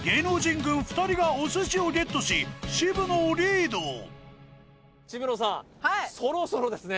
軍２人がお寿司をゲットし渋野をリード渋野さんそろそろですね